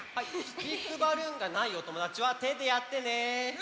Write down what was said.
スティックバルーンがないおともだちはてでやってね！